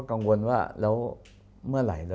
อเรนนี่แหละอเรนนี่แหละ